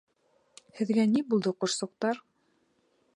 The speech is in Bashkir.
— Һеҙгә ни булды, ҡошсоҡтар?